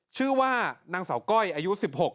ชื่อว่านางสาวก้อยอายุ๑๖